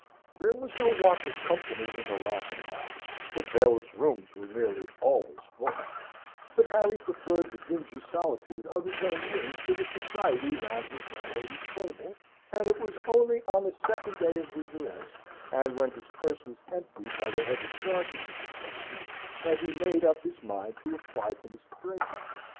There was no want of company in the lock up house, the bailiff's rooms were nearly always full; but Harry preferred the dingy solitude of his own room to the society round his landlady's table, and it was only on the second day of his arrest, and when his purse was emptied by the heavy charges of the place, that he made up his mind to apply to Mr. Draper.